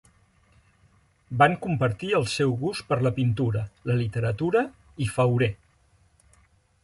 Van compartir el seu gust per la pintura, la literatura i Fauré.